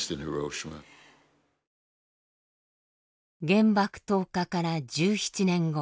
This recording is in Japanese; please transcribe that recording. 原爆投下から１７年後。